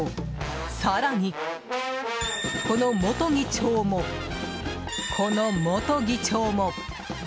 更に、この元議長もこの元議長も。